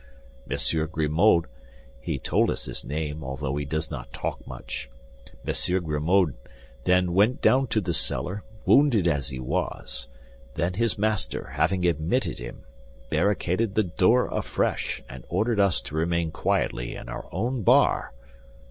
Monsieur Grimaud (he told us his name, although he does not talk much)—Monsieur Grimaud, then, went down to the cellar, wounded as he was; then his master, having admitted him, barricaded the door afresh, and ordered us to remain quietly in our own bar."